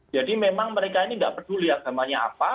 jadi memang mereka ini tidak peduli agamanya apa